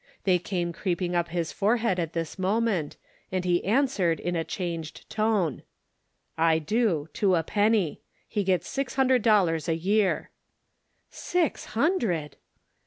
They came creeping up his forehead at this moment, as he answered in a changed tone : "I do, to a penny; he gets six hundred dollars a year." " Six hundred